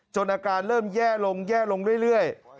จนอาการเริ่มแย่ลงเรื่อย